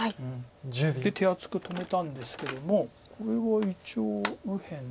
で手厚く止めたんですけどもこれは一応右辺。